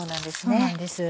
そうなんです